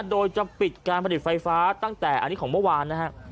โดยจะปิดการผลิตไฟฟ้าตั้งแต่อันนี้ของเมื่อวานนะฮะ